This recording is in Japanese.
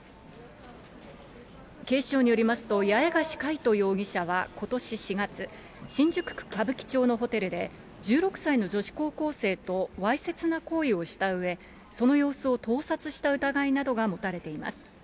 警視庁によりますと八重樫海渡容疑者はことし４月、新宿区歌舞伎町のホテルで、１６歳の女子高校生とわいせつな行為をしたうえ、その様子を盗撮した疑いなどが持たれています。